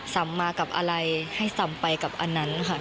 สำมากับอะไรให้ซ้ำไปกับอันนั้นค่ะ